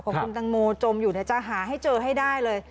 ของคุณตังโมจมอยู่จะหาให้เจอให้ได้เลย